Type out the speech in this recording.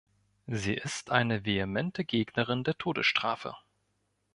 Sie ist eine vehemente Gegnerin der Todesstrafe.